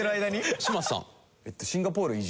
嶋佐さん。